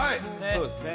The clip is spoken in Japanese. そうですね